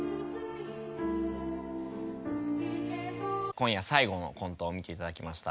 今夜最後のコントを見ていただきました。